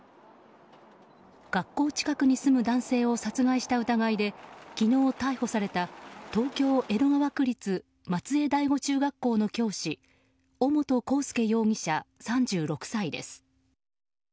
学校近くに住む男性を殺害した疑いで昨日逮捕された東京・江戸川区立松江第五中学校の教師尾本幸祐容疑者、３６歳です。